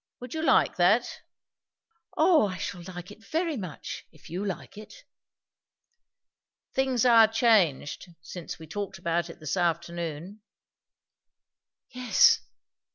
Would you like that?" "O I shall like it very much! if you like it." "Things are changed, since we talked about it this afternoon." "Yes!